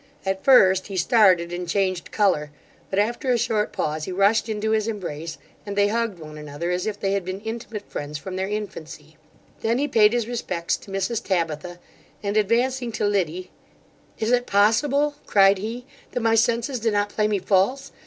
At first, he started and changed colour; but after a short pause, he rushed into his embrace, and they hugged one another as if they had been intimate friends from their infancy: then he payed his respects to Mrs Tabitha, and advancing to Liddy, 'Is it possible, (cried he), that my senses do not play me false!